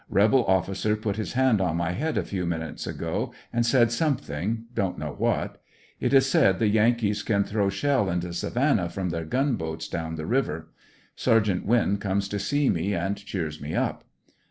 Rebel officer put his hand on my head a few minutes ago and said something; don't know what. It is said the Yankees can throw shell into Savannah from their gunboats down the river. Sergeant Winn comes to see me and cheers me up.